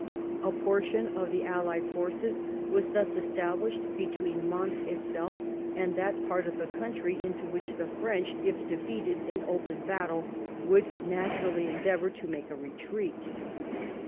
A portion of the aUied forces was thus established between Mons itself and that part of the country into which the French, if defeated in open battle, would naturally endeavour to make a retreat.